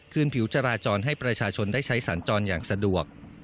ผิวจราจรให้ประชาชนได้ใช้สัญจรอย่างสะดวก